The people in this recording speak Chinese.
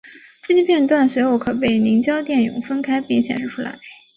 这些片断随后可被凝胶电泳分开并显示出来。